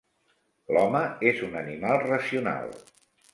L'home és un animal racional.